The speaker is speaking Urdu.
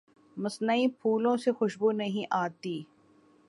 مصنوعی پھولوں سے خوشبو نہیں آتی